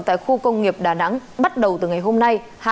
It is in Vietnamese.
tại khu công nghiệp đà nẵng bắt đầu từ ngày hôm nay